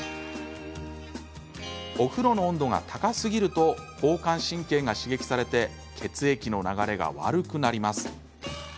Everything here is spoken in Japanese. お風呂の温度が高すぎると交感神経が刺激されて血液の流れが悪くなります。